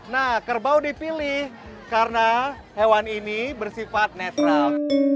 nah kerbau dipilih karena hewan ini bersifat netral